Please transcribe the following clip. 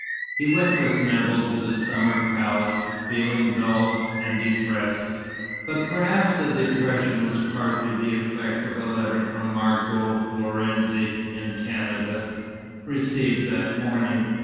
He went with Nevill to the summer palace, feeling dull and depressed. But perhaps the depression was partly the effect of a letter from Margot Lorenzi in Canada, received that morning.